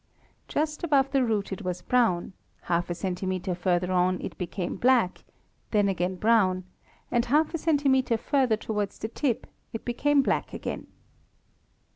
Just above the root it was brown, half a centimetre further on it became black, then again brown, and half a centimetre further towards the tip it became black again.